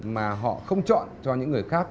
mà họ không chọn cho những người khác